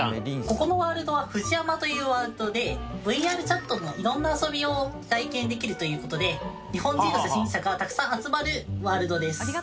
ここのワールドはＦＵＪＩＹＡＭＡというワールドでＶＲＣｈａｔのいろんな遊びを体験できるという事で日本人の初心者がたくさん集まるワールドです。